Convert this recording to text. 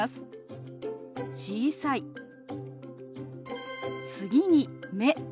次に「目」。